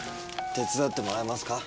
手伝ってもらえますか？